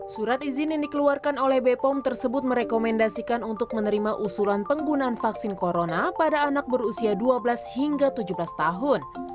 surat izin yang dikeluarkan oleh bepom tersebut merekomendasikan untuk menerima usulan penggunaan vaksin corona pada anak berusia dua belas hingga tujuh belas tahun